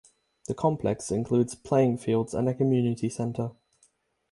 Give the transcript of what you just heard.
The complex includes playing fields and a community center.